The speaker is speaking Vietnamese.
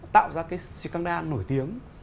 tạo ra cái scandal nổi tiếng